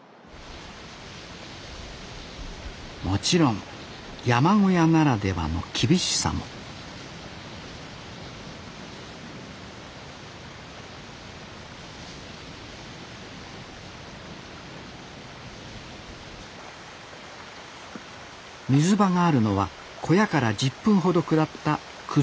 もちろん山小屋ならではの厳しさも水場があるのは小屋から１０分ほど下った崩れそうな斜面。